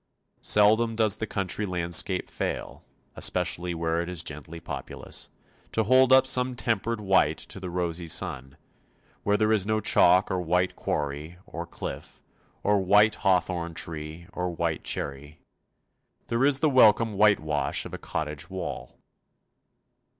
Seldom does the country landscape fail especially where it is gently populous to hold up some tempered white to the rosy sun; where there is no chalk or white quarry, or cliff, or white hawthorn tree or white cherry, there is the welcome whitewash of a cottage wall.